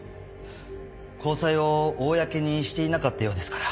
交際を公にしていなかったようですから。